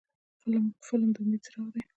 فلم د امید څراغ دی